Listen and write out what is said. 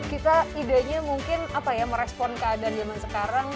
kita idenya mungkin apa ya merespon keadaan zaman sekarang